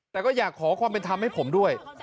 แต่ก็อยากขอความเป็นธรรมให้ผมด้วย